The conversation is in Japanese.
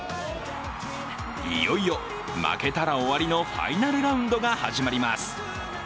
いよいよ負けたら終わりのファイナルラウンドが始まります。